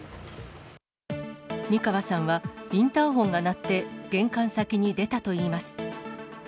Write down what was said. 三川さんはインターホンが鳴って、玄関先に出たといいます。